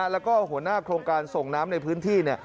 แล้วก็หัวหน้าโครงการส่งน้ำในพื้นที่